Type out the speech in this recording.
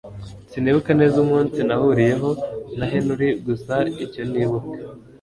Sinibuka neza umunsi nahuriyeho na Henry gusa icyo nibuka